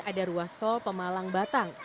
ada ruas tol pemalang batang